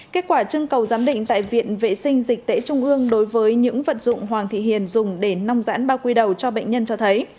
kết quả trưng cầu giám định tại viện vệ sinh dịch tễ trung ương đối với những vật dụng hoàng thị hiền dùng để nong giãn bao quy đầu cho bệnh nhân cho thấy